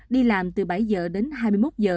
đi làm từ bảy giờ đến hai mươi một giờ